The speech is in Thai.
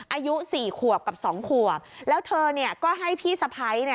อายุ๔ขวบกับ๒ขวบแล้วเธอก็ให้พี่สะพ้าย